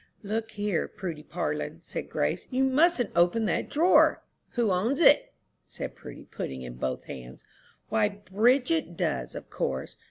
"Look here, Prudy Parlin," said Grace, "you mustn't open that drawer." "Who owns it?" said Prudy, putting in both hands. "Why, Bridget does, of course."